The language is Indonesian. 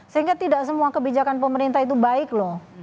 sehingga tidak semua kebijakan pemerintah itu baik loh